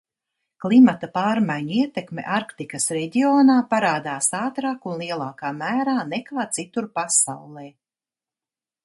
Klimata pārmaiņu ietekme Arktikas reģionā parādās ātrāk un lielākā mērā nekā citur pasaulē.